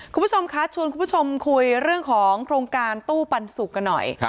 คุณผู้ชมคะชวนคุณผู้ชมคุยเรื่องของโครงการตู้ปันสุกกันหน่อย